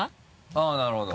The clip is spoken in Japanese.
あっなるほど。